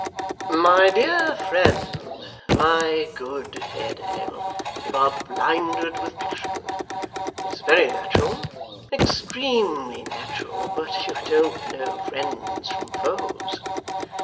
'My dear friend, my good Haredale, you are blinded with passion it's very natural, extremely natural but you don't know friends from foes.